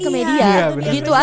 ke media gitu aja